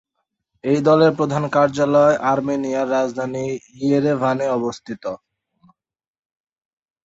এই দলের প্রধান কার্যালয় আর্মেনিয়ার রাজধানী ইয়েরেভানে অবস্থিত।